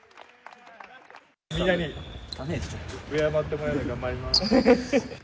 みんなに敬ってもらえるように頑張ります。